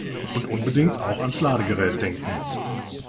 Und unbedingt auch ans Ladegerät denken!